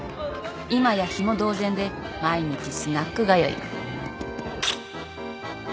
今やヒモ同然で毎日スナック通い。